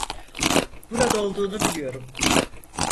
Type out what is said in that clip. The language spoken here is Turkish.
Burada olduğunu biliyorum!